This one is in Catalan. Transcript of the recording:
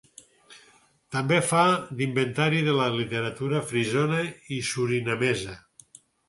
També fa d'inventari de la literatura frisona i surinamesa.